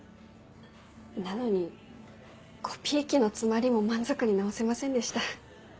なのにコピー機の詰まりも満足に直せませんでした。